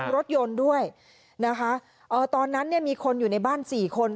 รถยนต์ด้วยนะคะเอ่อตอนนั้นเนี่ยมีคนอยู่ในบ้านสี่คน